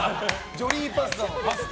ジョリーパスタ。